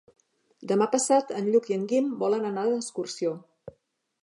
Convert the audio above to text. Demà passat en Lluc i en Guim volen anar d'excursió.